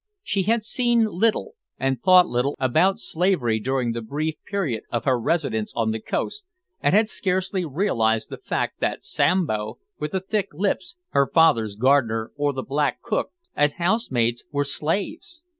She had seen little and thought little about slavery during the brief period of her residence on the coast, and had scarcely realised the fact that Sambo, with the thick lips her father's gardener or the black cook and house maids, were slaves.